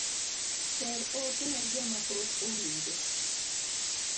Ter ote ne jomapok owinje